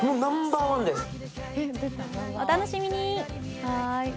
お楽しみに。